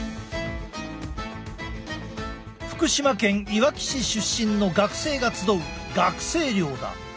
福島県いわき市出身の学生が集う学生寮だ。